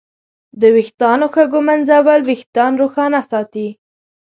د ویښتانو ښه ږمنځول وېښتان روښانه ساتي.